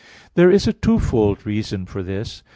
There is a twofold reason for this.